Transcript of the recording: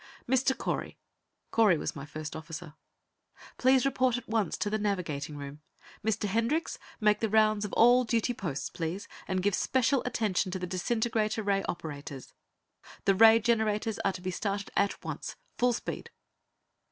"Mr. Correy," Correy was my first officer "please report at once to the navigating room. Mr. Hendricks, make the rounds of all duty posts, please, and give special attention to the disintegrator ray operators. The ray generators are to be started at once, full speed."